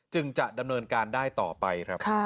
จะดำเนินการได้ต่อไปครับ